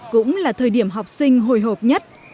cũng là thời điểm học sinh hồi hộp nhất